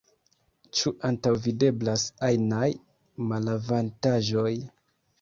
Ĉu antaŭvideblas ajnaj malavantaĝoj?